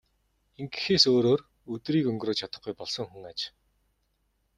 Ингэхээс өөрөөр өдрийг өнгөрөөж чадахгүй болсон хүн аж.